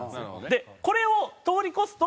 でこれを通り越すと。